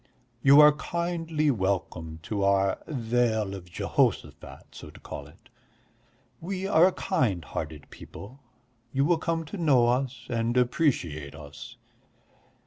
You are kindly welcome to our Vale of Jehoshaphat, so to call it. We are kind hearted people, you will come to know us and appreciate us.